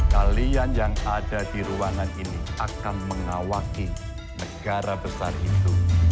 kalian yang ada di ruangan ini akan mengawaki negara besar itu